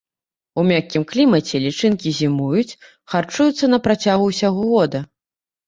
У мяккім клімаце лічынкі зімуюць, харчуюцца на працягу ўсяго года.